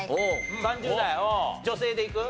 ３０代女性でいく？